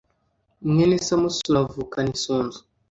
Mwene samusure avukana isunzu.